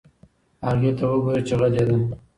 هغې ته وگوره چې غلې ده.